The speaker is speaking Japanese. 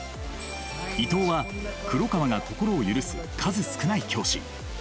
伊藤は黒川が心を許す数少ない教師。